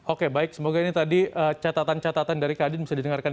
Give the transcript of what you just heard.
oke baik semoga ini tadi catatan catatan dari kadin bisa didengarkan